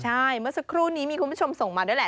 ใช่เมื่อสักครู่นี้มีคุณผู้ชมส่งมาด้วยแหละ